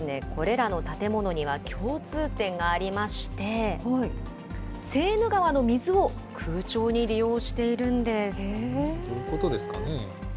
実はこれらの建物には共通点がありまして、セーヌ川の水を空調にどういうことですかね。